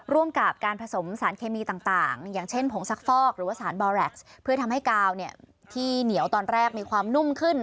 ร่วมกับการผสมสารเคมีต่างอย่างเช่นผงซักฟอกหรือว่าสารบอแร็กซ์เพื่อทำให้กาวเนี่ยที่เหนียวตอนแรกมีความนุ่มขึ้น